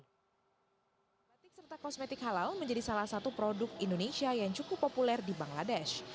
batik serta kosmetik halal menjadi salah satu produk indonesia yang cukup populer di bangladesh